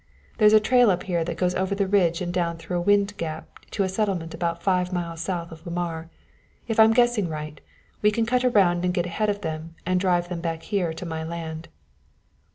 There's a trail up here that goes over the ridge and down through a wind gap to a settlement about five miles south of Lamar. If I'm guessing right, we can cut around and get ahead of them and drive them back here to my land."